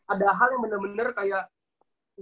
ada hal yang bener bener kayak